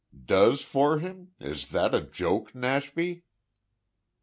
"`Does for him' Is that a joke, Nashby?"